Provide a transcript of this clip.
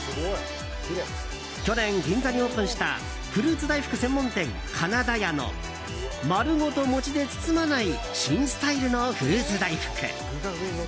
去年、銀座にオープンしたフルーツ大福専門店、金田屋のまるごと餅で包まない新スタイルのフルーツ大福。